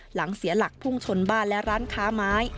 หลังเสียหลักพุ่งชนบ้านและร้านค้าไม้